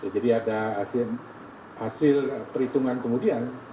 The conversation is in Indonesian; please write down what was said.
jadi ada hasil perhitungan kemudian